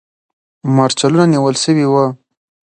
مرچلونه نیول سوي وو.